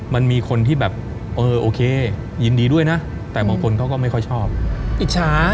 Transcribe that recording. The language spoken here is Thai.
มันมีคนที่แบบเออโอเคยินดีด้วยนะแต่บางคนเขาก็ไม่ค่อยชอบอิจฉา